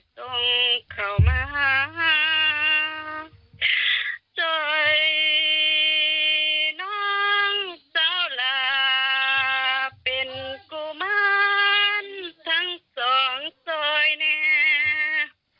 ส่งเข้ามาหาจอยน้องเจ้าลาเป็นกุมารทั้งสองซอยแน่